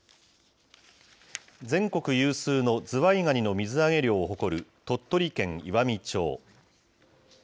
全国有数のズワイガニの水揚げ量を誇る鳥取県岩美町。